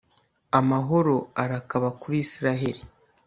amahoro arakaba kuri israheli